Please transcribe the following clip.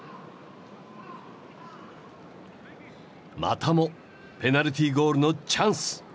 またもペナルティーゴールのチャンス。